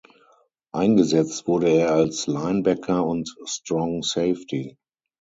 Eingesetzt wurde er als Linebacker und Strong Safety.